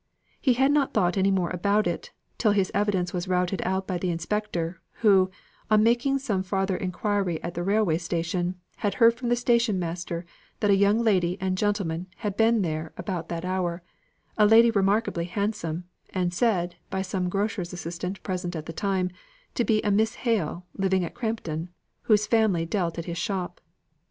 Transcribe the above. He had not thought any more about it, till his evidence was routed out by the inspector, who, on making some farther inquiry at the railroad station, had heard from the station master that a young lady and gentleman had been there about that hour the lady remarkably handsome and said, by some grocer's assistant present at the time, to be a Miss Hale, living at Crampton, whose family dealt at his shop.